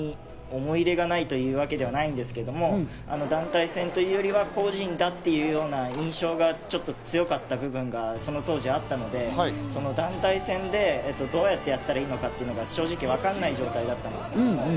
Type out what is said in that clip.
団体戦の時に正直、そんなに思い入れがないというわけではないですが、団体戦というよりは個人だというような印象がちょっと強かった部分がその当時あったので、その団体戦でどうやってやったらいいのか、正直わからない状態だったんです。